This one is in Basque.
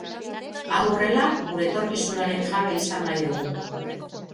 Hau horrela, gure etorkizunaren jabe izan nahi dugu.